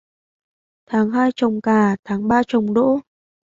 Tháng hai trồng cà, tháng ba trồng đỗ.